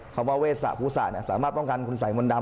คำว่าเวสะภูสะสามารถป้องกันคุณสายมนตำ